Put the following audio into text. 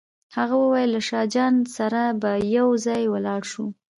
هغه وویل له شاه جان سره به یو ځای ولاړ شو.